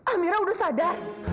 amirah udah sadar